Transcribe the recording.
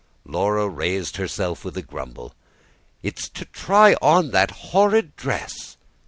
Laura raised herself with a grumble. "It's to try on that horrid dress."